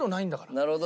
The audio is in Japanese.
なるほど。